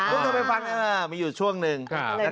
คุณเคยไปฟังมีอยู่ช่วงหนึ่ง